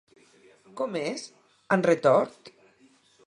Com és, en Retort?